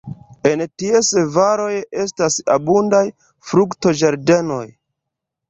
En ties valoj estas abundaj fruktoĝardenoj.